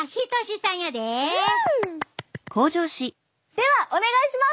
ではお願いします！